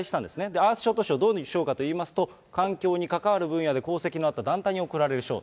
アースショット賞、どういう賞かといいますと、環境に関わる分野で功績のあった団体に贈られる賞と。